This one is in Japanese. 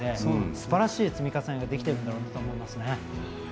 すばらしい積み重ねができているんだろうと思いますね。